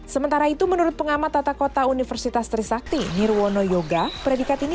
sementara itu menurut pengamat tata kota universitas trisakti nirwono yoga predikat ini